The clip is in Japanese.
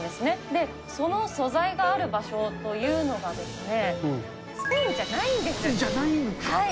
で、その素材がある場所というのがですね、じゃないんかい。